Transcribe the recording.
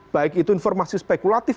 baik itu informasi spekulatif